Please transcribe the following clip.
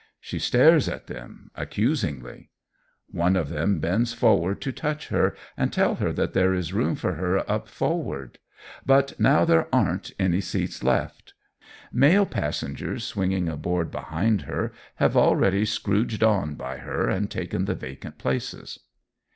She stares at them, accusingly. One of them bends forward to touch her and tell her that there is room for her up forward; but now there aren't any seats left. Male passengers, swinging aboard behind her, have already scrouged on by her and taken the vacant places.